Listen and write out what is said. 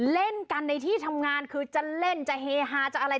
เล่นกันในที่ทำงานคือจะเล่นจะเฮฮาจะอะไร